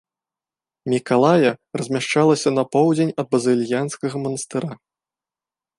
Мікалая размяшчалася на поўдзень ад базыльянскага манастыра.